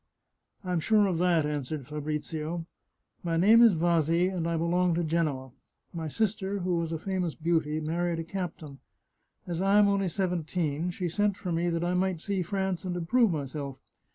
" I'm sure of that," answered Fabrizio. " My name is Vasi, and I belong to Genoa ; my sister, who was a famous beauty, married a captain. As I am only seventeen, she sent for me that I might see France and improve myself.